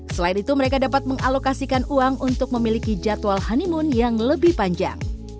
selain itu mereka dapat mengalokasikan uang untuk memiliki jadwal honeymoon yang lebih panjang